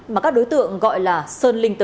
mà các đối tượng gọi là sơn linh tự